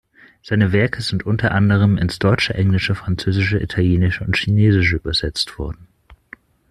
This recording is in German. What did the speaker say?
Seine Werke sind unter anderem ins Deutsche, Englische, Französische, Italienische und Chinesische übersetzt worden.